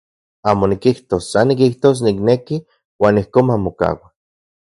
Amo nikijtos, san nikijtos nikneki uan ijkon mamokaua.